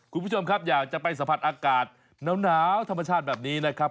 คุณผู้ชมครับอยากจะไปสัมผัสอากาศหนาวธรรมชาติแบบนี้นะครับ